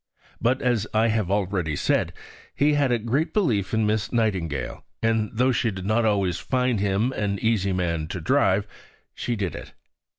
But, as I have already said, he had a great belief in Miss Nightingale, and though she did not always find him an easy man to drive, she did it.